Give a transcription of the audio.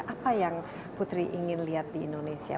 apa yang putri ingin lihat di indonesia